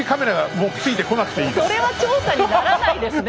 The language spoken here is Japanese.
それは調査にならないですね！